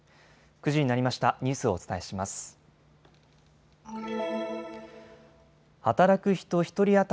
９時になりました。